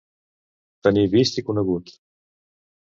Tenir vist i conegut.